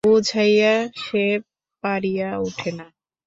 বুঝাইয়া সে পারিয়া ওঠে না।